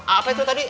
apa itu tadi